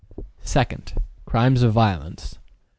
Crimes of Violence.